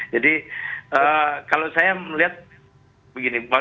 jadi kalau saya melihat begini